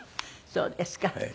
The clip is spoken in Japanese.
そうですか。